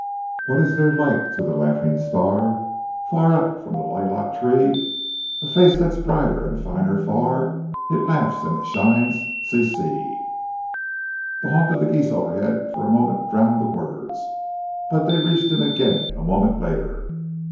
"What is there like to the laughing star, Far up from the lilac tree? A face that's brighter and finer far, It laughs and it shines, ci, ci! " The honk of the geese overhead for a moment drowned the words, but they reached him again a moment later.